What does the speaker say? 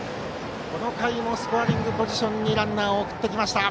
この回もスコアリングポジションにランナーを送ってきました。